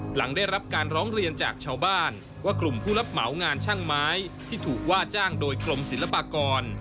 หลังได้รับการร้องเรียนจากชาวบ้านว่ากลุ่มผู้รับเหมางานช่างไม้ที่ถูกว่าจ้างโดยกรมศิลปากร